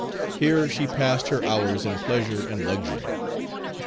Here she passed her hours in pleasure and luxury.